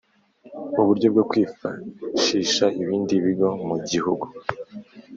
Uburyo bwo kwifashisha ibindi bigo mu gihugu